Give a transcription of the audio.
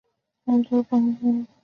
我们先帮妳看小孩